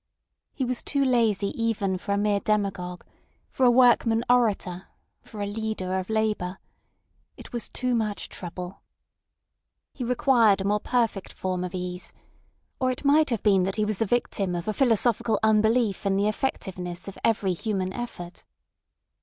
He was too lazy even for a mere demagogue, for a workman orator, for a leader of labour. It was too much trouble. He required a more perfect form of ease; or it might have been that he was the victim of a philosophical unbelief in the effectiveness of every human effort.